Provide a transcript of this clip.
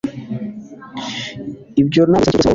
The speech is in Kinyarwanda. Ibyo ntabwo bisa nkikintu cyose nabonye